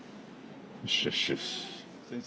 よしよしよし。